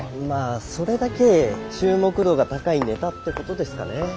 まあそれだけ注目度が高いネタってことですかね。